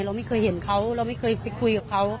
เราไม่เคยเห็นเขาเราไม่เคยไปคุยกับเขา